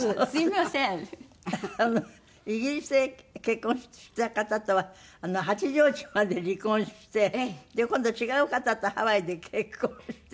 イギリスで結婚した方とは八丈島で離婚して今度は違う方とハワイで結婚してそれで岡山で。